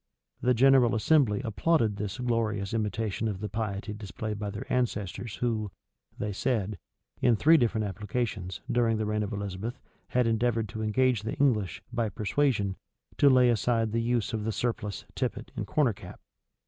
The general assembly applauded this glorious imitation of the piety displayed by their ancestors who, they said, in three different applications, during the reign of Elizabeth, had endeavored to engage the English, by persuasion, to lay aside the use of the surplice, tippet, and corner cap.